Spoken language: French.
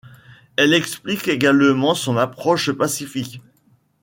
Elle explique également son approche pacifique.